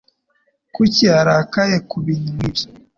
Kuki arakaye kubintu nkibyo?